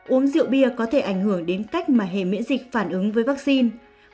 uống rượu bia có thể ảnh hưởng đến cách mà hệ miễn dịch phản ứng với vaccine